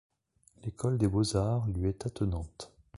L'école des Beaux Arts lui est attenante.